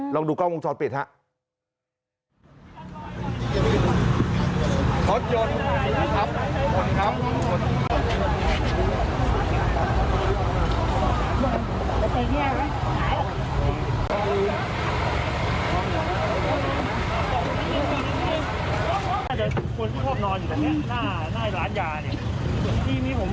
ลองดูกล้องมุมช้อนเปลี่ยน